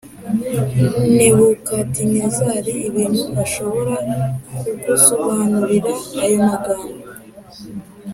Nebukadinezari ibintu Ashobora kugusobanurira ayo magambo